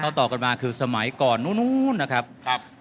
ต่อกันมาคือสมัยก่อนนู้นนะครับ